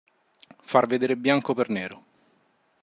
Far vedere bianco per nero.